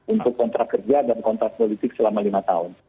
untuk kontrak kerja dan kontras politik selama lima tahun